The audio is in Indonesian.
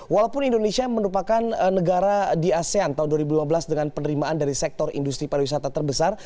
walaupun indonesia merupakan negara di asean tahun dua ribu lima belas dengan penerimaan dari sektor industri pariwisata terbesar